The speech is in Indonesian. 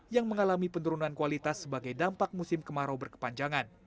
yang mengalami penurunan kualitas sebagai dampak musim kemarau berkepanjangan